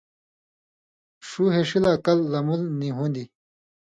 ݜُو ہیشی لا کَل (لمُول) نی ہُون٘دیۡ،